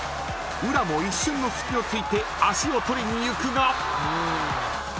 ［宇良も一瞬の隙をついて足を取りにいくが］